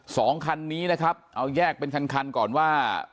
สองคันนี้นะครับเอาแยกเป็นคันคันก่อนว่า